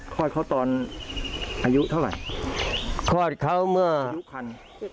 คลอดเขาตอนอายุเท่าไหร่คลอดเขาเมื่ออายุคัน